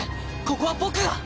ここは僕が！